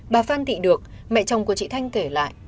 bà phan thị được mẹ chồng của chị thanh kể lại